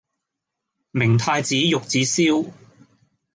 明太子玉子燒